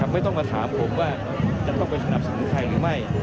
ไม่ต้องมาถามผมว่าจะต้องไปสนับสนุนใครหรือไม่